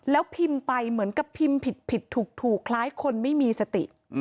แล้วพิมพ์ไปเหมือนกับพิมพ์ผิดถูกคล้ายคนไม่มีสติ